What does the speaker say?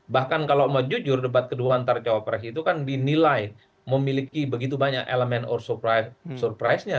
bahkan kalau mau jujur debat kedua antara cowok presiden itu kan dinilai memiliki begitu banyak elemen or surprise nya